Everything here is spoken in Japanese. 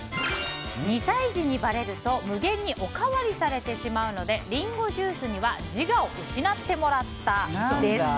２歳児にバレると無限におかわりされてしまうのでリンゴジュースには自我を失ってもらった、です。